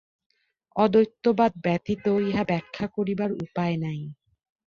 অদ্বৈতবাদ ব্যতীত ইহা ব্যাখ্যা করিবার উপায় নাই।